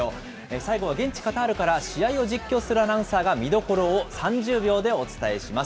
最後は現地カタールから試合を実況するアナウンサーが見どころを３０秒でお伝えします。